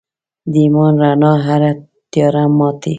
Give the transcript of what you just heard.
د ایمان رڼا هره تیاره ماتي.